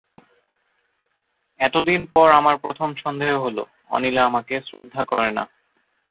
এতদিন পরে আমার প্রথম সন্দেহ হল, অনিলা আমাকে শ্রদ্ধা করে না।